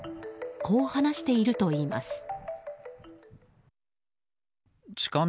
こう話しているといいます。